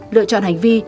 lựa chọn hành vi